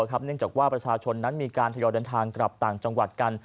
เนื่องจากว่าประชาชนนั้นมีการทยอยเดินทางกลับต่างจังหวัดกัน